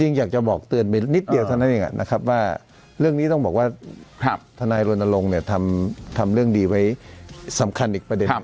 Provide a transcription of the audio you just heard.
อยากจะบอกเตือนไปนิดเดียวเท่านั้นเองนะครับว่าเรื่องนี้ต้องบอกว่าทนายรณรงค์เนี่ยทำเรื่องดีไว้สำคัญอีกประเด็นหนึ่ง